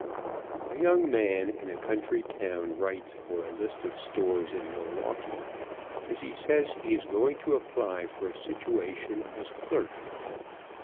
A young man in a country town writes for a list of stores in Milwaukee, as he says he is going to apply for a situation as clerk.